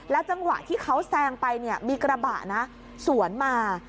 และจังหวะที่เขาแซงไปมีกระบะสวนมา